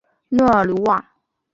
诺尔鲁瓦。